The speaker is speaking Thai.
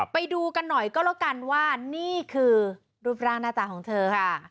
ไปดูกันหน่อยก็แล้วกันว่านี่คือรูปร่างหน้าตาของเธอค่ะ